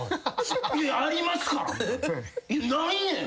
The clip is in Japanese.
「ありますから」ないねん！